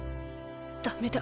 ダメだ。